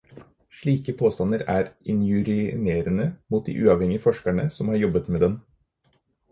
Slike påstander er injurierende mot de uavhengige forskerne som har jobbet med den.